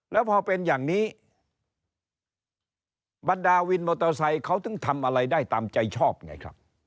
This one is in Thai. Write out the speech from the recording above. แล้วพอเป็นอย่างนี้บรรดาวินมอเตอร์ไซค์เขาถึงทำอะไรได้ตามใจชอบไงครับ